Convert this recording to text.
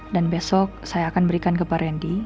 dan besok saya akan berikan ke pak rendy